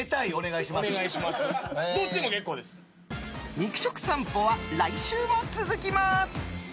肉食さんぽは来週も続きます。